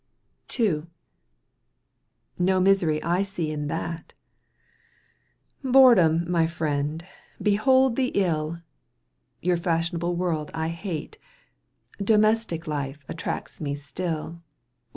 " No miseiy I see in that "—" Boredom, my friend, behold the ill " Your fashionable world I hate, Domestic life attracts me still.